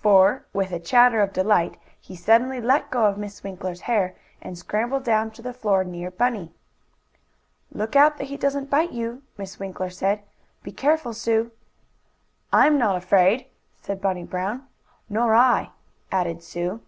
For, with a chatter of delight, he suddenly let go of Miss Winkler's hair and scrambled down to the floor near Bunny. "Look out that he doesn't bite you," Miss Winkler said. "Be careful, Sue!" "I'm not afraid," said Bunny Brown. "Nor I," added Sue.